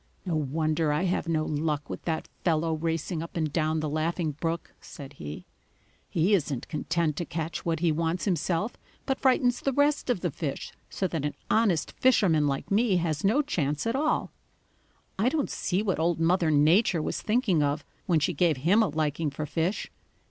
"No wonder I have no luck with that fellow racing up and down the Laughing Brook," said he. "He isn't content to catch what he wants himself, but frightens the rest of the fish so that an honest fisherman like me has no chance at all. I don't see what Old Mother Nature was thinking of when she gave him a liking for fish.